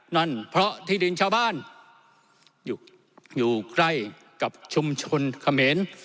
นั่นเพราะที่ดินชาวบ้านอยู่ใกล้กับชุมชนเขมร